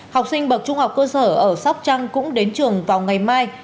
học sinh bậc trung học cơ sở ở sóc trăng cũng đến trường vào ngày mai